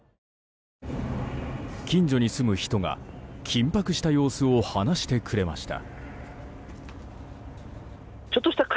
近所に住む人が緊迫した様子を話してくれました。